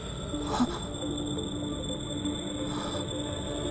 あっ！